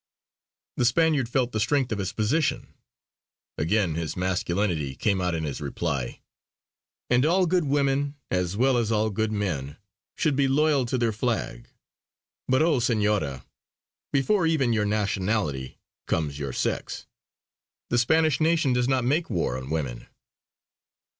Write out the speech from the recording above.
The Spaniard felt the strength of his position; again his masculinity came out in his reply: "And all good women, as well as all men, should be loyal to their Flag. But oh Senora, before even your nationality comes your sex. The Spanish nation does not make war on women!"